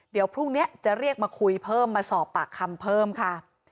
เดี๋ยวพรุ่งนี้จะเรียกมาคุยเพิ่มมาสอบปากคำเพิ่มค่ะ